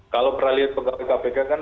kalau peralihan pegawai kpk kan